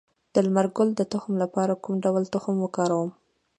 د لمر ګل د تخم لپاره کوم ډول تخم وکاروم؟